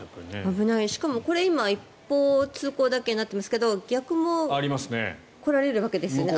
しかもこれ、今一方通行だけになっていますが逆も来られるわけですね。